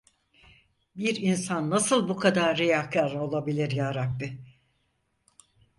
Bir insan nasıl bu kadar riyakar olabilir Yarabbi?